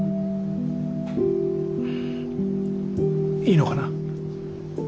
いいのかな？